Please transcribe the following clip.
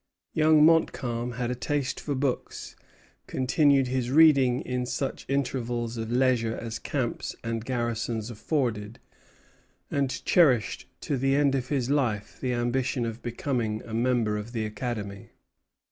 Young Montcalm had a taste for books, continued his reading in such intervals of leisure as camps and garrisons afforded, and cherished to the end of his life the ambition of becoming a member of the Academy.